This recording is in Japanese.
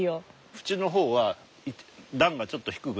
縁の方は段がちょっと低くて。